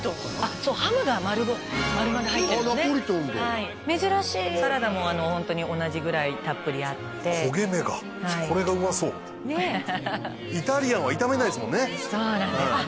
そうハムが丸々入ってるのねナポリタンだ珍しいサラダもほんとに同じぐらいたっぷりあって焦げ目がこれが旨そうイタリアンは炒めないすもんねそうなんですよね